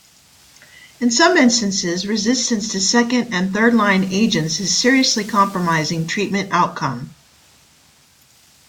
In some instances resistance to second- and thirdline agents is seriously compromising treatment outcome.